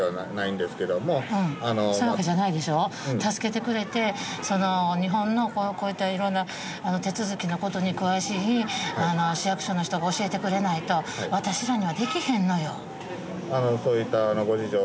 そういうわけじゃないでしょう助けてくれて日本のこういったいろんな手続きのことに詳しい市役所の人が教えてくれないと私らにはできひんのよ